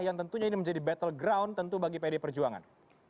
yang tentunya ini menjadi battle ground tentu bagi pd perjuangan